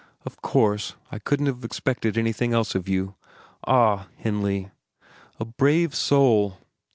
"Of course, I couldn't have expected anything else of you. Ah, Henley! A brave soul.